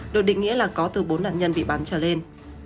được định nghĩa là có từ bốn nạn nhân bị bắn trở lên